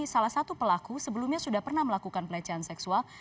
salah satu pelaku sebelumnya sudah pernah melakukan pelecehan seksual